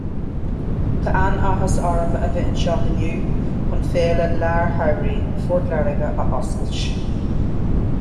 Tá an-áthas orm a bheith anseo inniu chun Féile Lár-Shamhraidh Phort Láirge a oscailt.